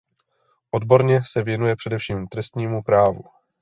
Odborně se věnuje především trestnímu právu.